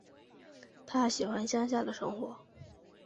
她喜欢乡下的生活